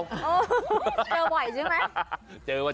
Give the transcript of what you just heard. เจอไหวใช่ไหม